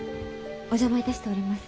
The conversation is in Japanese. お邪魔いたしております。